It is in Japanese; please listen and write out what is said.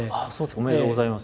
おめでとうございます。